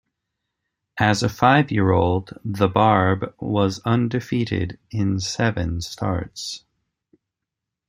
As a five-year-old The Barb was undefeated in seven starts.